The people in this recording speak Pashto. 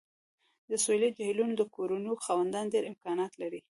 د سویلي جهیلونو د کورونو خاوندان ډیر امکانات لري